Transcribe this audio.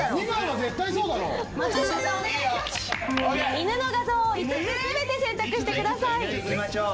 犬の画像を５つ全て選択してください。いきましょう。